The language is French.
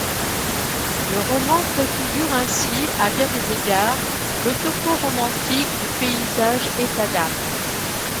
Le roman préfigure ainsi à bien des égards le topos romantique du paysage-état d'âme.